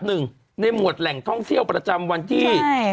หนึ่งในหมวดแหล่งท่องเที่ยวประจำวันที่